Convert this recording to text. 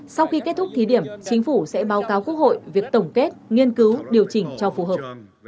sau khi kết thúc thí điểm chính phủ sẽ báo cáo quốc hội việc tổng kết nghiên cứu điều chỉnh cho phù hợp